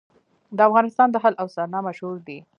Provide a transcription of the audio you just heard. د افغانستان دهل او سرنا مشهور دي